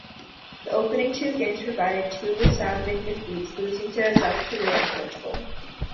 The opening two games provided two resounding defeats losing to South Korea and Portugal.